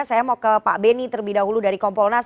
saya mau ke pak beni terlebih dahulu dari kompolnas